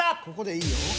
ここでいいんだ